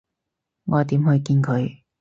我點去見佢？